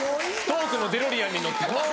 トークのデロリアンに乗って。